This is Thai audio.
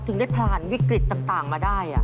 ถึงได้ผ่านวิกฤตต่างมาได้